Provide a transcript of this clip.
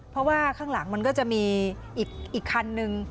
เพราะว่าข้างหลังมันก็จะมีอีกคันนึง